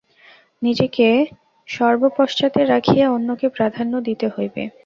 নিজেকে সর্বপশ্চাতে রাখিয়া অন্যকে প্রাধান্য দিতে হইবে।